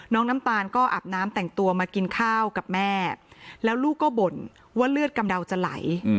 น้ำตาลก็อาบน้ำแต่งตัวมากินข้าวกับแม่แล้วลูกก็บ่นว่าเลือดกำเดาจะไหล